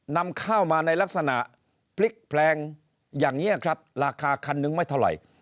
นำข้าวมาในลักษณะพลิกแพลงอย่างนี้ครับราคาคันนึงไม่เท่าไหร่